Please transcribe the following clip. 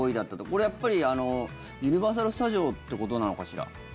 これはやっぱりユニバーサルスタジオってことなのかしら？